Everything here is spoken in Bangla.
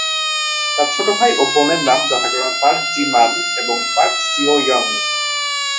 তার ছোট ভাই ও বোনের নাম যথাক্রমে পার্ক জি মান এবং পার্ক সিওইয়ং।